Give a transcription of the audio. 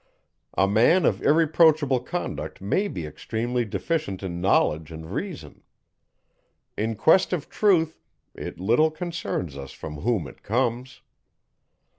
A man of irreproachable conduct may be extremely deficient in knowledge and reason. In quest of truth, it little concerns us from whom it comes.